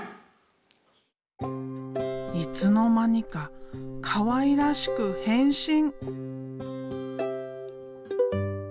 いつの間にかかわいらしく変身。